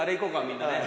みんなね。